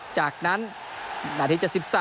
จากนั้นอาทิตย์จะ๑๓